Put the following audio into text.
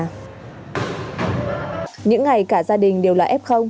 những ngày cả gia đình đều là f